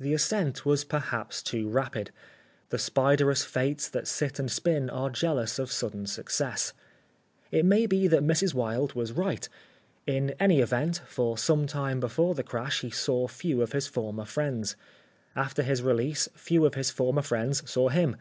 The ascent was perhaps too rapid. The spiderous Fates that sit and spin are jealous of sudden success. It may be that Mrs. Wilde was right. In any event, for some time before the crash he saw few of his former friends. After his release few of his former friends saw him.